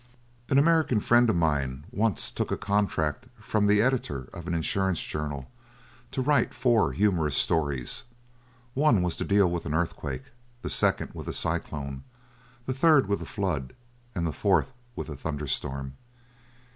An American friend of mine once took a contract from the Editor of an Insurance Journal to write four humorous stories; one was to deal with an earthquake, the second with a cyclone, the third with a flood, and the fourth with a thunderstorm.